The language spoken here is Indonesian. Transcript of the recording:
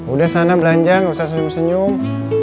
udah sana belanja nggak usah senyum senyum